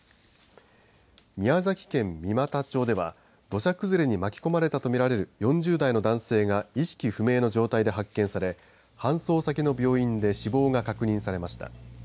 宮崎県三股町では土砂崩れに巻き込まれたと見られる４０代の男性が意識不明の状態で発見され搬送先の病院で死亡が確認されました。